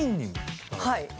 はい。